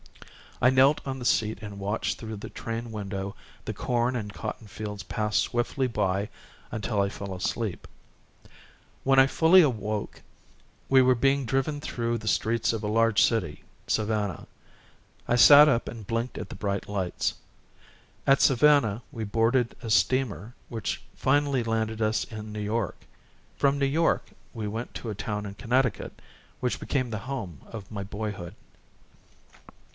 I knelt on the seat and watched through the train window the corn and cotton fields pass swiftly by until I fell asleep. When I fully awoke, we were being driven through the streets of a large city Savannah. I sat up and blinked at the bright lights. At Savannah we boarded a steamer which finally landed us in New York. From New York we went to a town in Connecticut, which became the home of my boyhood.